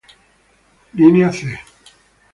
Linea C